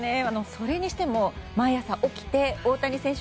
それにしても毎朝起きて大谷選手